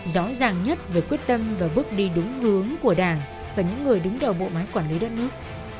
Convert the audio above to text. rõ ràng nhất về quyết tâm và bước đi đúng hướng của đảng và những người đứng đầu bộ máy quản lý đất nước